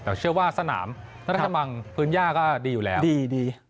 แต่เชื่อว่าสนามแล้วถ้าบางพื้นยาก็ดีอยู่แล้วดี